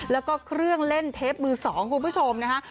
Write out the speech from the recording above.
แล้วก็เครื่องเล่นเทปมือสองคุณผู้ชมนะคะ